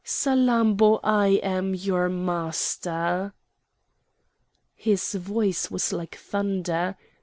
Salammbô! I am your master!" His voice was like thunder.